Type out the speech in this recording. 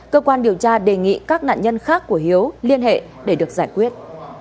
cơ quan điều tra đề nghị các nạn nhân khác của hiếu liên hệ để được giải quyết